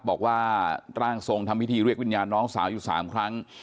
บอกว่าร่างทรงทำพิธีเรียกวิญญาณน้องสาวอยู่๓ครั้ง